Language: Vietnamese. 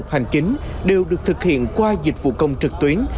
các tục hành chính đều được thực hiện qua dịch vụ công trực tuyến